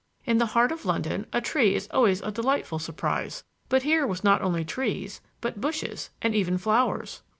In the heart of London a tree is always a delightful surprise; but here were not only trees, but bushes and even flowers.